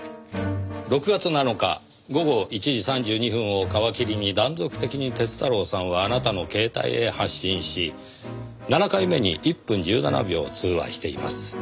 ６月７日午後１時３２分を皮切りに断続的に鐵太郎さんはあなたの携帯へ発信し７回目に１分１７秒通話しています。